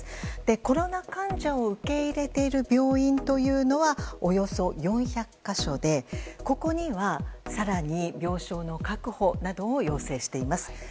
コロナ患者を受け入れている病院というのはおよそ４００か所でここには更に病床の確保などを要請しています。